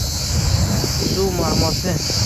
Suv muammosi